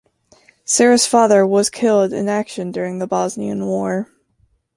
Sara’s father was killed in action during the Bosnian War.